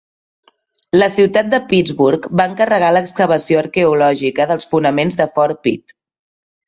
La ciutat de Pittsburgh va encarregar l'excavació arqueològica dels fonaments de Fort Pitt.